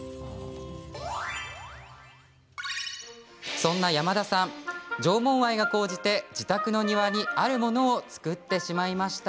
そんな山田さん、縄文愛が高じて自宅の庭にあるものを作ってしまいました。